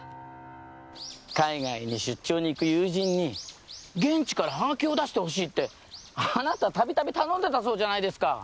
海外に出張に行く友人に現地からハガキを出してほしいってあなたたびたび頼んでたそうじゃないですか。